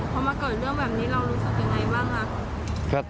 พอมาเกิดเรื่องแบบนี้เรารู้สึกยังไงบ้างคะ